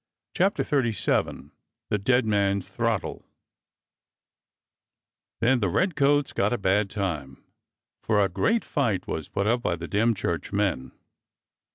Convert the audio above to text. CHAPTER XXXVII THE DEAD MAN's THROTTLE THEN the redcoats got a bad time, for a great fight was put up by the Dymchurch men.